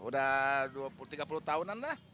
udah tiga puluh tahunan dah